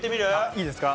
いいですか？